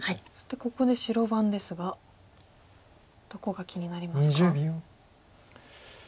そしてここで白番ですがどこが気になりますか？